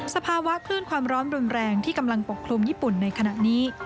สภาวะคลื่นความร้อนรุนแรงที่กำลังปกคลุมญี่ปุ่นในขณะนี้